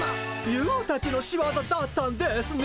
ユーたちの仕業だったんですね！